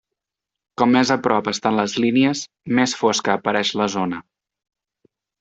Com més a prop estan les línies, més fosca apareix la zona.